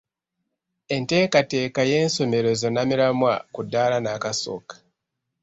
Enteekateeka y'ensomeserezo nnamiramwa ku ddaala nnakasooka.